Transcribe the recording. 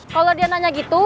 kalau dia nanya gitu